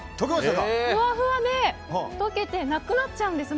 ふわふわで溶けてなくなっちゃうんです